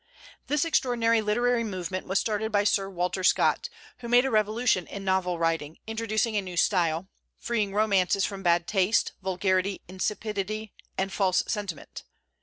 This extraordinary literary movement was started by Sir Walter Scott, who made a revolution in novel writing, introducing a new style, freeing romances from bad taste, vulgarity, insipidity, and false sentiment.